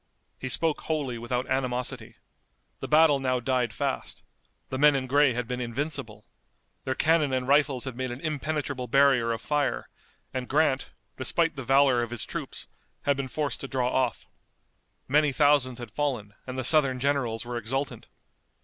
He spoke wholly without animosity. The battle now died fast. The men in gray had been invincible. Their cannon and rifles had made an impenetrable barrier of fire, and Grant, despite the valor of his troops, had been forced to draw off. Many thousands had fallen and the Southern generals were exultant.